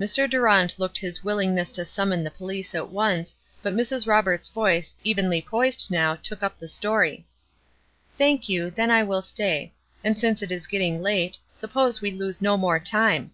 Mr. Durant looked his willingness to summon the police at once, but Mrs. Roberts' voice, evenly poised now, took up the story: "Thank you; then I will stay. And since it is getting late, suppose we lose no more time.